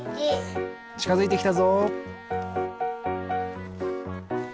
ちかづいてきたぞ。